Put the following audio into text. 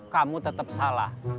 kamu tetap salah